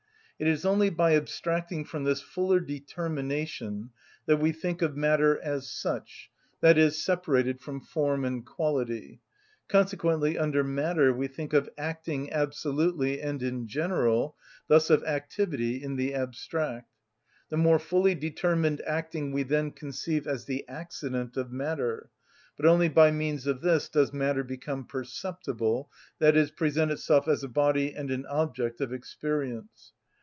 It is only by abstracting from this fuller determination that we think of matter as such, i.e., separated from form and quality; consequently under matter we think of acting absolutely and in general, thus of activity in the abstract. The more fully determined acting we then conceive as the accident of matter; but only by means of this does matter become perceptible, i.e., present itself as a body and an object of experience.